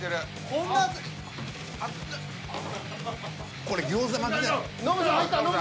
これ餃子巻きだ。